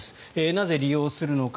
なぜ、利用するのか。